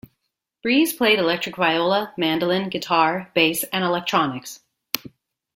Breeze played electric viola, mandolin, guitar, bass and electronics.